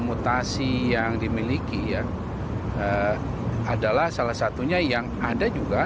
mutasi yang dimiliki ya adalah salah satunya yang ada juga